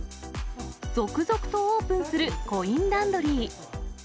続々とオープンするコインランドリー。